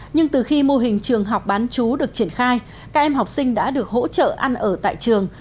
nhưng từ khi mô hình trường học bán chú được triển khai các em học sinh đã được hỗ trợ ăn ở tại trường